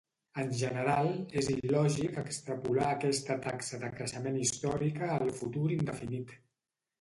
En general, és il·lògic extrapolar aquesta taxa de creixement històrica al futur indefinit.